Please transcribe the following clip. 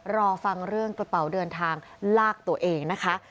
รอฟังเรื่องกระเป๋าเดินทางลากตัวเองนะคะ